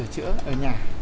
tôi sửa chữa ở nhà